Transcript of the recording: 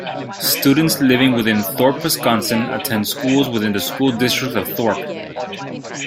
Students living within Thorp, Wisconsin attend schools within the School District of Thorp.